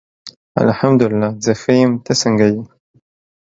الحمد الله زه ښه یم ته څنګه یی